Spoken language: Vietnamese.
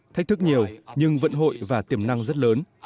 thách thức nhiều nhưng vận hội và tiềm năng rất lớn